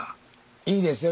いいですよ